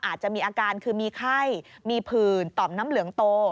อาจจะมีอาการคือมีไข้มีผื่นต่อมน้ำเหลืองโต